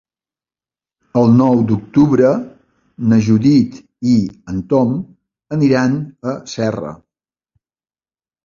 El nou d'octubre na Judit i en Tom aniran a Serra.